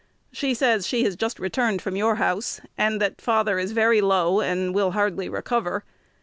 She says she has just returned from your house, and that father is very low, and will hardly recover.